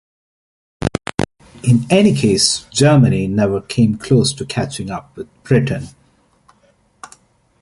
In any case Germany never came close to catching up with Britain.